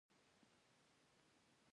د مخکېني جمهوري نظام پر مهال